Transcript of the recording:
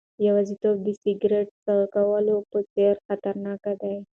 یوازیتوب د سیګریټ څکولو په څېر خطرناک دی.